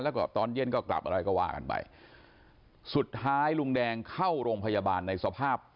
แล้วก็ตอนเย็นก็กลับอะไรก็ว่ากันไปสุดท้ายลุงแดงเข้าโรงพยาบาลในสภาพ